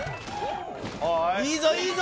いいぞいいぞ！